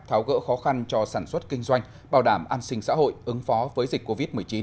tháo gỡ khó khăn cho sản xuất kinh doanh bảo đảm an sinh xã hội ứng phó với dịch covid một mươi chín